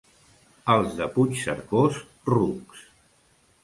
Els de Puigcercós, rucs.